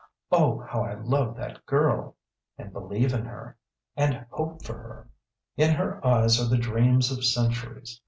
Oh how I love that girl! and believe in her and hope for her. In her eyes are the dreams of centuries.